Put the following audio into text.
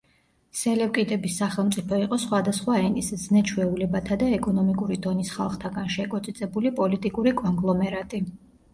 სელევკიდების სახელმწიფო იყო სხვადასხვა ენის, ზნე-ჩვეულებათა და ეკონომიკური დონის ხალხთაგან შეკოწიწებული პოლიტიკური კონგლომერატი.